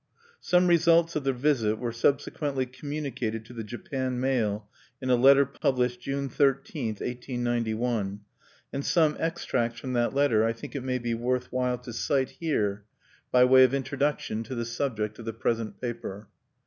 Some results of the visit were subsequently communicated to the "Japan Mail," in a letter published June 13, 1891, and some extracts from that letter I think it may be worth while to cite here, by way of introduction to the subject of the present paper.